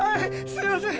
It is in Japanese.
すいません